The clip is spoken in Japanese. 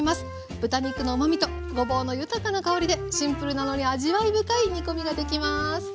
豚肉のうまみとごぼうの豊かな香りでシンプルなのに味わい深い煮込みができます。